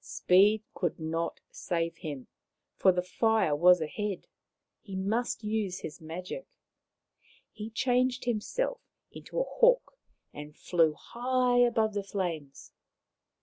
Speed could not save him, for the fire was ahead ; he must use his magic. He changed himself into a hawk and flew high above the flames.